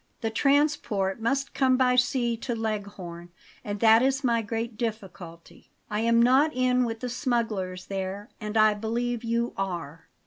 The transport must come by sea to Leghorn, and that is my great difficulty; I am not in with the smugglers there, and I believe you are."